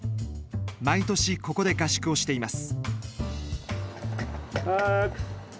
毎年ここで合宿をしています。